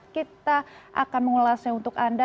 kita akan mengulasnya untuk anda